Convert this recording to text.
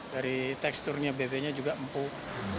dari teksturnya bebeknya juga empuk